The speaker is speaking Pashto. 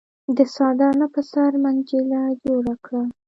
د څادر نه په سر منجيله جوړه کړه۔